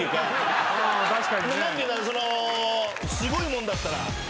すごいもんだったら。